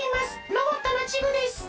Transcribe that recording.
ロボットのチグです！